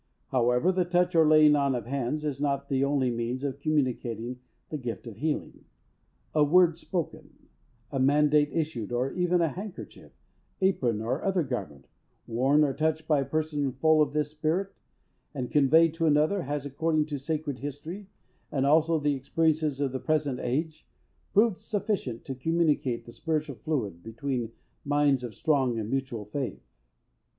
However, the touch, or laying on of hands, is not the only means of communicating the gift of healing. A word spoken, a mandate issued, or even a handkerchief, apron, or other garment, worn or touched by a person full of this Spirit, and conveyed to another, has, according to sacred history, and also the experience of the present age, proved sufficient to communicate the spiritual fluid, between minds of strong and mutual faith.